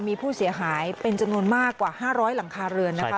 มีผู้เสียหายเป็นจำนวนมากกว่า๕๐๐หลังคาเรือนนะคะ